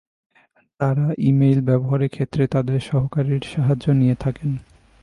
তাঁরা email ব্যবহারের ক্ষেত্রে তাঁদের সহকারীর সাহায্য নিয়ে থাকেন।